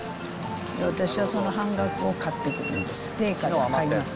私はその半額を買ってくるんです。